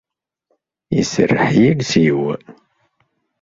Iserreḥ yiles-iw.